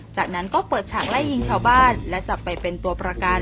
จากนั้นก็เปิดฉากไล่ยิงชาวบ้านและจับไปเป็นตัวประกัน